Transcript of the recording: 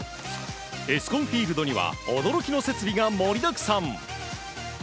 エスコンフィールドには驚きの設備が盛りだくさん！